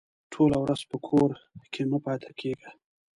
ټوله ورځ په کور کې مه پاته کېږه!